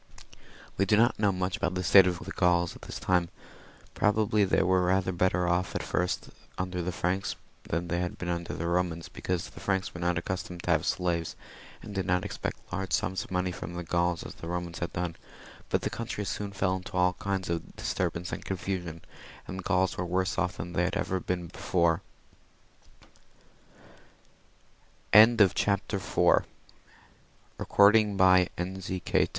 "We do not know much of the state of the Gkiuls at this time. Probably they were rather better off at first under the Franks than they had been under the Eomans, because the Franks were not accustomed to have slaves, and did not expect such large sums of money from the Gauls as the Eomans had done ; but the country soon fell into aU lands of disturbance and confusion, and the Gktuls were worse off than they had ever been before. "I »■« 'v J *'." 1 i 1 ^1*1 J v.